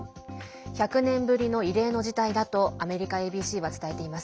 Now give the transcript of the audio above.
１００年ぶりの異例の事態だとアメリカＡＢＣは伝えています。